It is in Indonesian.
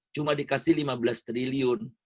cuma dikasih lima belas triliun